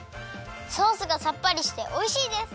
ソースがさっぱりしておいしいです！